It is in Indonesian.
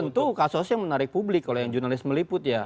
itu kasus yang menarik publik kalau yang jurnalis meliput ya